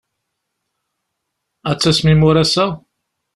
Ad d-tasem imuras-a?